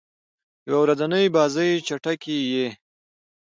یو ورځنۍ بازۍ چټکي يي.